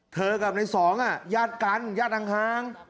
เธอกับในสองอ่ะญาติกรรมชาติญาติอังฮาง